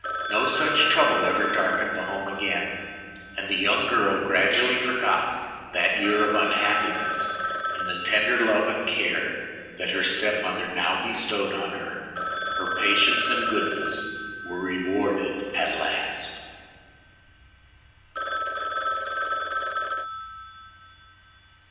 No such trouble ever darkened the home again, and the young girl gradually forgot that year of unhappiness in the tender love and care that her step mother now bestowed on her. Her patience and goodness were rewarded at last.